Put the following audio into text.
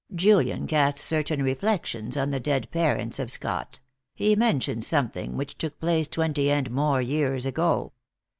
Julian cast certain reflections on the dead parents of Scott; he mentioned something which took place twenty and more years ago."